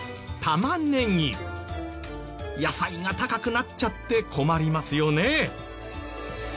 野菜が高くなっちゃって困りますよね。